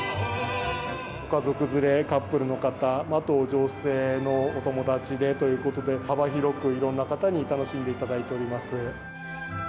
ご家族連れ、カップルの方、あと女性のお友達でということで、幅広くいろんな方に楽しんでいただいております。